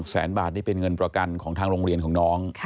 แสนบาทนี่เป็นเงินประกันของทางโรงเรียนของน้อง